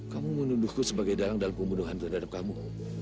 kamu menuduhku sebagai dalang dalam pembunuhan terhadap kamu